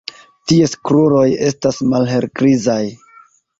Ties kruroj estas malhelgrizaj.